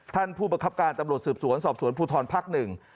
ท่านผู้ประคับการตำรวจสืบสวนสอบสวนภูทรภักดิ์หนึ่ง